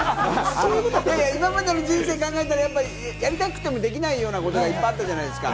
今までの人生を考えたら、やりたくてもできないようなことがいっぱいあったじゃないですか。